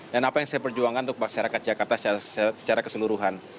dan apa yang saya perjuangkan untuk masyarakat jakarta secara keseluruhan